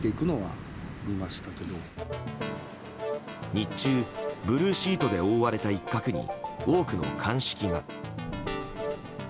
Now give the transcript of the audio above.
日中、ブルーシートで覆われた一角に多くの鑑識が。